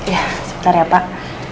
ya sebentar ya pak